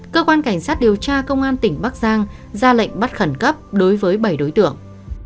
cơ quan cảnh sát điều tra công an tỉnh bắc giang ra lệnh bắt khẩn cấp đối với bảy đối tượng